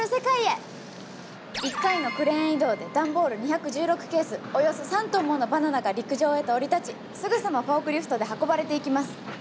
１回のクレーン移動で段ボール２１６ケースおよそ３トンものバナナが陸上へと降り立ちすぐさまフォークリフトで運ばれていきます！